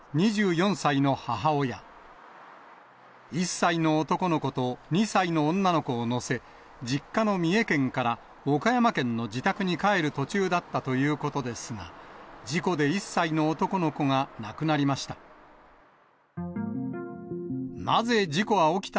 １歳の男の子と、２歳の女の子を乗せ、実家の三重県から岡山県の自宅に帰る途中だったということですが、事故で１歳の男の子が亡くなりました。